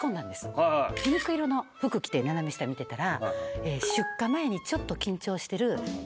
ピンク色の服着て斜め下見てたら。